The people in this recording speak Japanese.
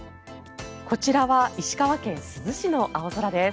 こちらは石川県珠洲市の青空です。